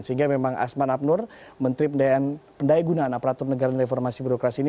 sehingga memang asman abnur menteri pendaya gunaan aparatur negara dan reformasi birokrasi ini